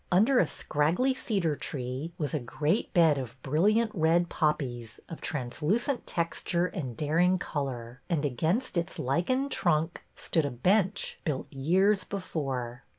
Under a scraggly cedar tree was a great bed of brilliant red poppies of translucent texture and daring color, and against its lichened trunk stood a bench, built years before.